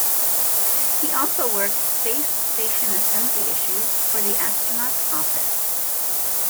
He also worked Space Station assembly issues for the Astronaut Office.